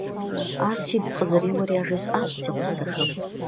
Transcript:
Ар сигу къызэреуэр яжесӀащ си гъусэхэм.